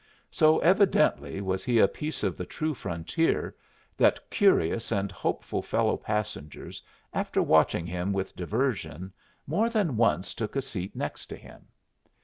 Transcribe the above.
So evidently was he a piece of the true frontier that curious and hopeful fellow passengers, after watching him with diversion, more than once took a seat next to him.